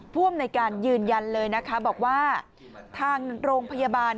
ผู้อำนวยการยืนยันเลยนะคะบอกว่าทางโรงพยาบาล